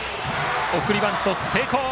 送りバント成功。